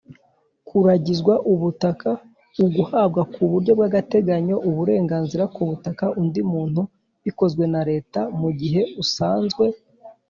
Kuragizwa ubutaka: uguhabwa ku buryo bw’agateganyo uburenganzira ku butaka undi muntu bikozwe na Leta mu gihe usanzwe